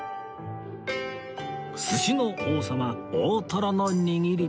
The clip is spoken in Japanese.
寿司の王様大トロの握り